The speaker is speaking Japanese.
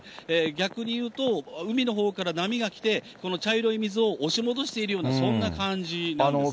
逆に言うと、海のほうから波が来て、この茶色い水を押し戻しているような、そんな感じなんですね。